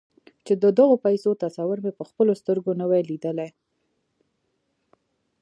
چې د غو پيسو تصور مو پهخپلو سترګو نه وي ليدلی.